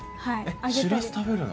しらす食べるの？